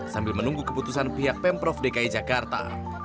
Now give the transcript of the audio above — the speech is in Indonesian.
sambil menunggu keputusan pihak pemprov dki jakarta